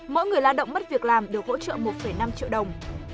mỗi người lao động mất việc làm được hỗ trợ một năm triệu đồng